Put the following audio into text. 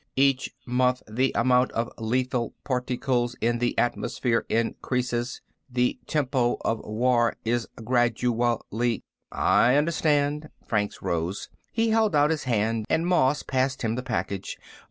"Each month the amount of lethal particles in the atmosphere increases. The tempo of the war is gradually " "I understand." Franks rose. He held out his hand and Moss passed him the package.